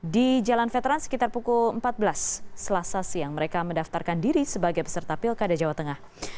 di jalan veteran sekitar pukul empat belas selasa siang mereka mendaftarkan diri sebagai peserta pilkada jawa tengah